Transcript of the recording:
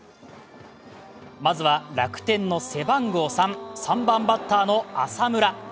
まずは、楽天の背番号３、３番バッターの浅村。